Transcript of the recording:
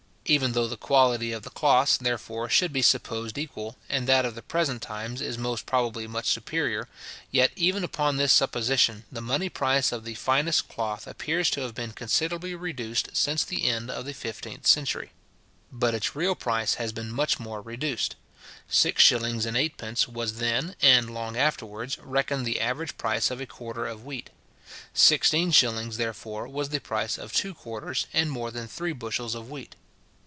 Even though the quality of the cloths, therefore, should be supposed equal, and that of the present times is most probably much superior, yet, even upon this supposition, the money price of the finest cloth appears to have been considerably reduced since the end of the fifteenth century. But its real price has been much more reduced. Six shillings and eightpence was then, and long afterwards, reckoned the average price of a quarter of wheat. Sixteen shillings, therefore, was the price of two quarters and more than three bushels of wheat.